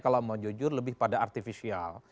kalau mau jujur lebih pada artifisial